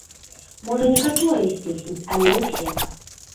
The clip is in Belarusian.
Можа, некаторыя з песень, але не усе.